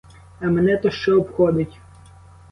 А мене то що обходить!